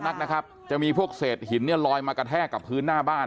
นักนะครับจะมีพวกเศษหินเนี่ยลอยมากระแทกกับพื้นหน้าบ้าน